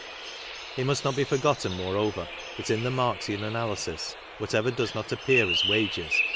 It must not be forgotten, moreover, that in thel Marxian analysis whatever does not appear as wages